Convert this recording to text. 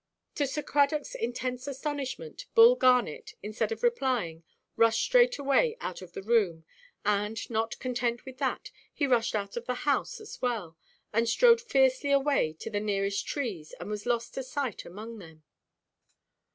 To Sir Cradockʼs intense astonishment, Bull Garnet, instead of replying, rushed straight away out of the room, and, not content with that, he rushed out of the house as well, and strode fiercely away to the nearest trees, and was lost to sight among them.